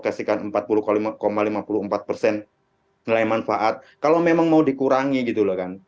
sehingga dalam setiap tahunnya itu kita bisa minimal konsisten misalnya untuk tahun ini kita bisa menelan